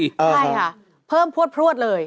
ใช่ค่ะเพิ่มพลวดเลย